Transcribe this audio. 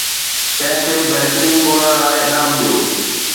ڪنهن کي بهترين ڳولڻ لاء انعام ڏيو